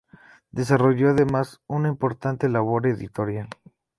Desarrolló además una importante labor editorial.